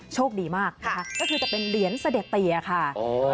โชคดีมากนะคะก็คือจะเป็นเหรียญเสด็จเตียค่ะ